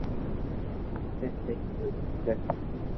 تي سھي ڪوئي ڪيريو